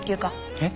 えっ？